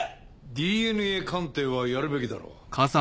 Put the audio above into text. ＤＮＡ鑑定はやるべきだろう。